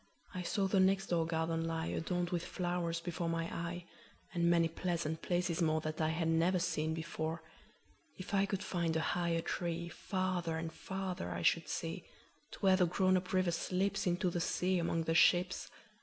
I saw the next door garden lie, Adorned with flowers, before my eye, And many pleasant places moreThat I had never seen before. If I could find a higher treeFarther and farther I should see, To where the grown up river slipsInto the sea among the ships.